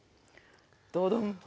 どどん。